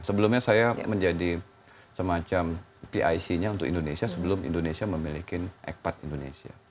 sebelumnya saya menjadi semacam pic nya untuk indonesia sebelum indonesia memiliki ekpat indonesia